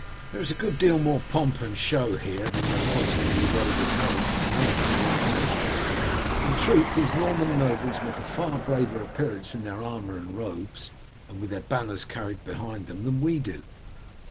"There is a good deal more pomp and show here than there was when we rode with Harold from London," Wulf said. "In truth these Norman nobles make a far braver appearance in their armour and robes, and with their banners carried behind them, than we do.